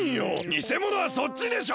にせものはそっちでしょ！